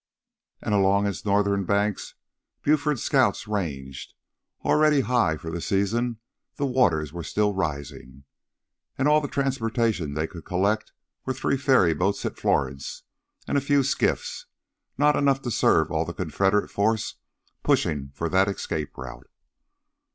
And along its northern banks, Buford's Scouts ranged. Already high for the season the waters were still rising. And all the transportation they could collect were three ferry boats at Florence and a few skiffs, not enough to serve all the Confederate force pushing for that escape route.